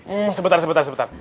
hmm sebentar sebentar sebentar